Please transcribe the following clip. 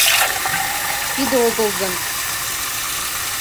Тиде огыл гын...